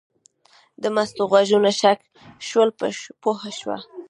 د مستو غوږونه څک شول پوه شوه.